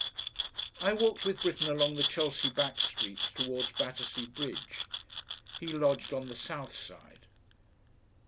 I walked with Britten along the Chelsea back streets towards Battersea Bridge he lodged on the south side.